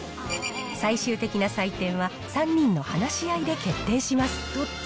最終的な採点は、３人の話し合いで決定します。